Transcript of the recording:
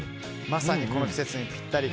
まさにこの季節にぴったり。